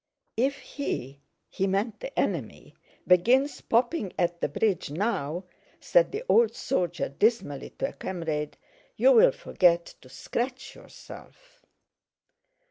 "If he" (he meant the enemy) "begins popping at the bridge now," said the old soldier dismally to a comrade, "you'll forget to scratch yourself."